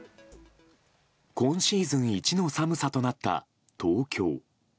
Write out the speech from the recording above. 今シーズン一の寒さとなった東京。